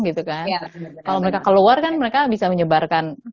gitu kan kalau mereka keluar kan mereka bisa menyebarkan